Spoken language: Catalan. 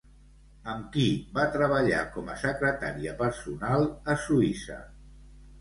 Amb qui va treballar com a secretària personal a Suïssa?